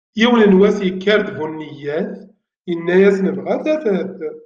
Yiwen n wass yekker-d bu nniyat, yenna-as nebγa tafat.